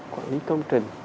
quản lý công trình